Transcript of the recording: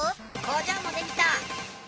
工場もできた！